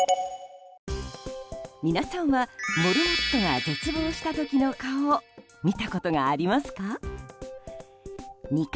皆さんはモルモットが絶望した時の顔を見たことがありますか。